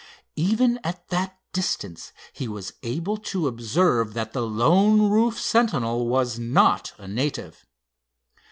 Even at that distance he was able to observe that the lone roof sentinel was not a native.